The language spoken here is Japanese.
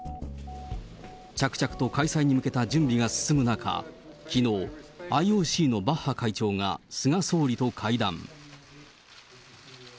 着々と開催に向けた準備が進む中、きのう、ＩＯＣのバッハ会長が、菅総理と会談。